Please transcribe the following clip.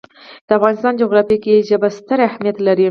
د افغانستان جغرافیه کې ژبې ستر اهمیت لري.